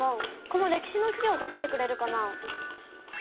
この歴史のしりょう出してくれるかな？